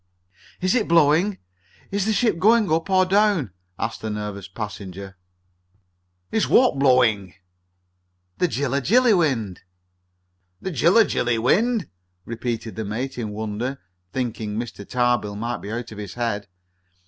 "Is it blowing? Is the ship going up or down?" asked the nervous passenger. "Is what blowing?" "The Jilla Jilly wind!" "The Jilla Jilly wind?" repeated the mate in wonder, thinking Mr. Tarbill might be out of his head.